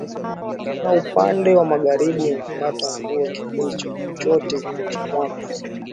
na upande wa Magharibi unapata mvua kipindi chote cha mwaka